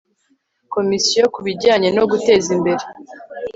komisiyo ku bijyanye no guteza imbere